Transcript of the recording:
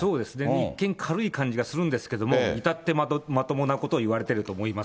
一見軽い感じがするんですけども、いたってまともなことを言われてると思います。